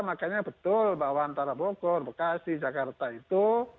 makanya betul bahwa antara bogor bekasi jakarta itu